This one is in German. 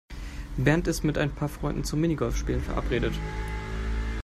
Bernd ist mit ein paar Freunden zum Minigolfspielen verabredet.